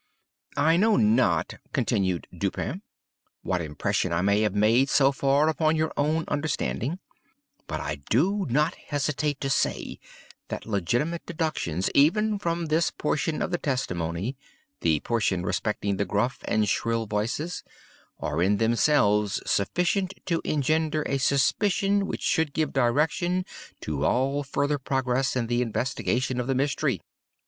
"I know not," continued Dupin, "what impression I may have made, so far, upon your own understanding; but I do not hesitate to say that legitimate deductions even from this portion of the testimony—the portion respecting the gruff and shrill voices—are in themselves sufficient to engender a suspicion which should give direction to all farther progress in the investigation of the mystery.